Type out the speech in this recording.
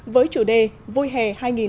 với chủ đề vui hè hai nghìn một mươi chín